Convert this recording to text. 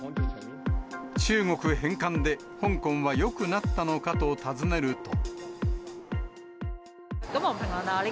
中国返還で香港はよくなったのかと尋ねると。